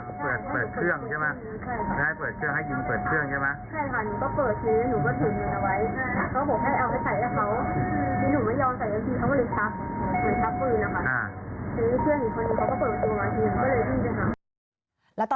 ให้เปิดเครื่องให้ยินเปิดเครื่องใช่ไหม